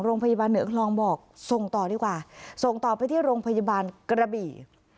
โรงพยาบาลเหนือคลองบอกส่งต่อดีกว่าส่งต่อไปที่โรงพยาบาลกระบี่